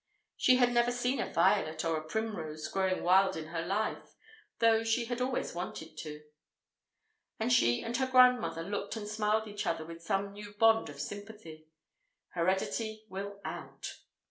She had never seen a violet or a primrose growing wild in her life, though she had always wanted to. And she and her grandmother looked and smiled at each other with some new bond of sympathy. Heredity will out!